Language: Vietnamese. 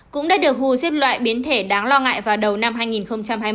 cũng đã được huu xếp loại biến thể đáng lo ngại vào đầu năm hai nghìn hai mươi một